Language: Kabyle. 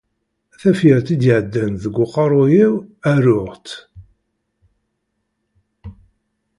Tafyirt i d-iɛeddan deg uqerruy-iw, aruɣ-tt.